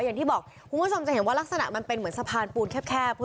อย่างที่บอกคุณผู้ชมจะเห็นว่ารักษณะมันเป็นเหมือนสะพานปูนแคบ